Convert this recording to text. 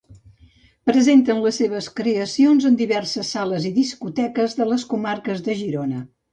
Presenten les seves creacions en diverses sales i discoteques de les comarques de Girona.